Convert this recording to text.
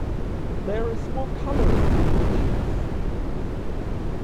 There is more colour in your cheeks.